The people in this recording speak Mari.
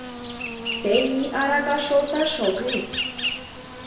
Тений арака шолташ ок лий...